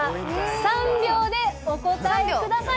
３秒でお答えください。